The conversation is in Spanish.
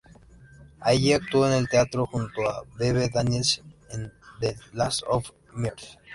Allí actuó en el teatro junto a Bebe Daniels en "The Last of Mrs.